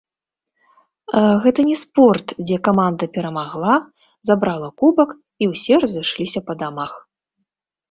Гэта не спорт, дзе каманда перамагла, забрала кубак і ўсе разышліся па дамах.